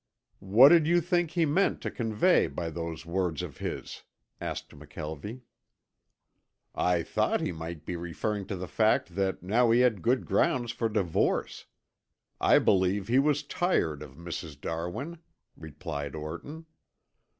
"What did you think he meant to convey by those words of his?" asked McKelvie. "I thought he might be referring to the fact that now he had good grounds for divorce. I believe he was tired of Mrs. Darwin," replied Orton.